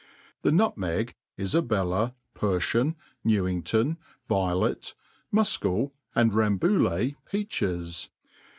The nut meg, IfabcIIa, Per n an, Newington, violet, mufcal, and ram bouillet peaches.